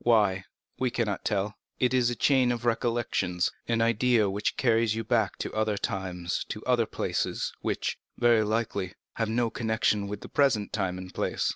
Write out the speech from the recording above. —why, we cannot tell. It is a chain of recollections—an idea which carries you back to other times, to other places—which, very likely, have no connection with the present time and place.